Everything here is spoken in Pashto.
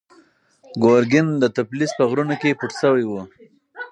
ګورګین د تفلیس په غرونو کې پټ شوی و.